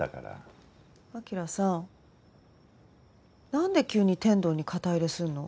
晶さんなんで急に天堂に肩入れするの？